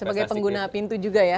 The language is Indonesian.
sebagai pengguna pintu juga ya